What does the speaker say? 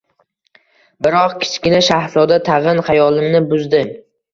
Biroq Kichkina shahzoda tag‘in xayolimni buzdi: